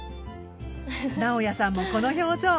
直也さんもこの表情。